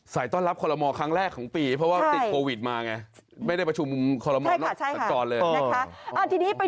ใส่ต้อนรับคอโระหมอครั้งแรกของปีเพราะว่าติดโกวิจมาอ่ะไงไม่ได้ประชุมคอโระหมอตอนเลย